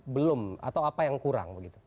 belum atau apa yang kurang begitu